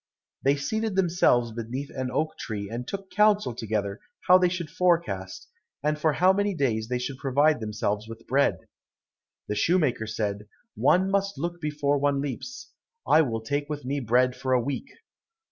They seated themselves beneath an oak tree, and took counsel together how they should forecast, and for how many days they should provide themselves with bread. The shoemaker said, "One must look before one leaps, I will take with me bread for a week."